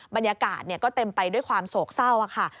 บรรยากาศก็เต็มไปด้วยความโศกเศร้าค่ะ